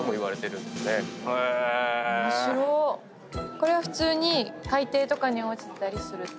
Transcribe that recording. これは普通に海底とかに落ちてたりするってことですか？